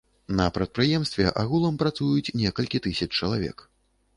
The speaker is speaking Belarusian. На прадпрыемстве агулам працуюць некалькі тысяч чалавек.